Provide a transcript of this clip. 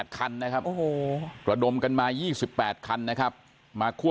๒๘คันนะครับโอ้โหกระดมกันมา๒๘คันนะครับมาควบคุม